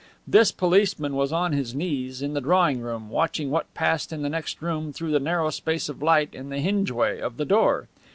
This policeman was on his knees in the drawing room watching what passed in the next room through the narrow space of light in the hinge way of the door.